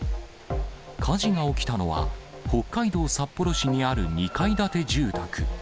火事が起きたのは、北海道札幌市にある２階建住宅。